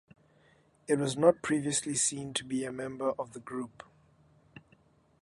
It was not previously seen to be a member of the group.